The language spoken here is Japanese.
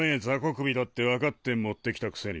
首だってわかって持ってきたくせに。